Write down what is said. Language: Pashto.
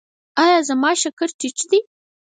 ایا زما شکر ټیټ دی؟